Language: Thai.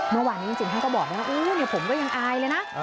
เมื่อวานนี้จริงท่านก็บอกด้วยว่าผมก็ยังอายเลยนะ